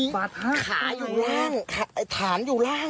ขาอยู่ล่างไอ้ฐานอยู่ล่าง